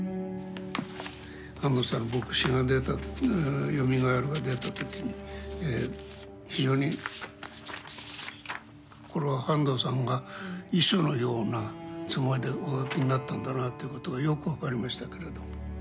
半藤さんの「墨子」が出た「よみがえる」が出た時に非常にこれは半藤さんが遺書のようなつもりでお書きになったんだなということがよく分かりましたけれど。